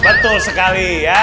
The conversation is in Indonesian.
betul sekali ya